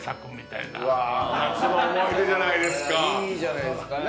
いいじゃないですかね。